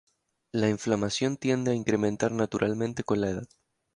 La inflamación tiende a incrementar naturalmente con la edad.